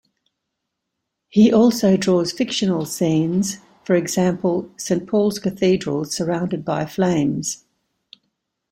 He also draws fictional scenes, for example, Saint Paul's Cathedral surrounded by flames.